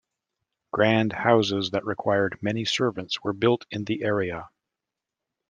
Grand houses that required many servants were built in the area.